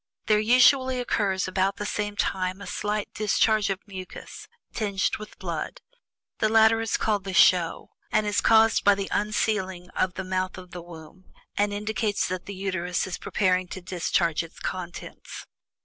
There usually occurs about the same time a slight discharge of mucus tinged with blood. The latter is called "the show," and is caused by the unsealing of the mouth of the womb, and indicates that the Uterus is preparing to discharge its contents.